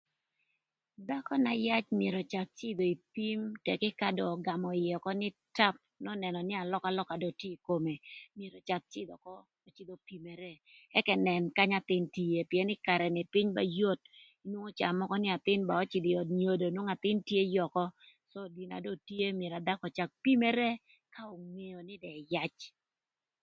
Dhakö na yac myero öcak cïdhö ï pim ëk ka dong ögamö ïë ökö nï tap n'önënö nï alökalöka do tye ï kome in ïcak cïdhö ökö ipimiri ëk ënën kanya athïn tye ïë pïën ï karë ni pïny ba yot nwongo caa mökö inwongo nï athïn ba öcïdhö ï öd nyodo nwongo athïn tye yökö myero dhakö öcak pimere ka nwongo ngeo nï do ëyac.